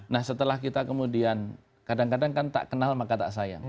nah setelah kita kemudian kadang kadang kan tak kenal maka tak sayang